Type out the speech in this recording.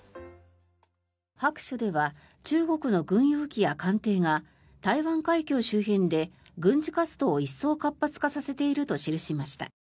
白書では中国の軍用機や艦艇が台湾海峡周辺で軍事活動を一層活発化させていると記しました。